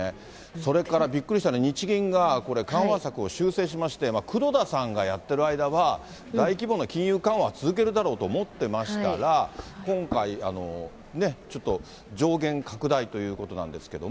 それからびっくりしたのは、日銀が、緩和策を修正しまして、黒田さんがやっている間は、大規模な金融緩和は続けるだろうと思ってましたら、今回、ちょっと上限拡大ということなんですけども。